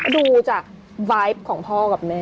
ดูจากไลฟ์ของพ่อกับแม่